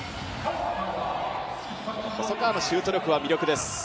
細川のシュート力は魅力です。